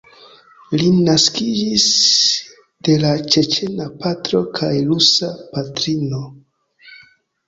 Li naskiĝis de la ĉeĉena patro kaj rusa patrino.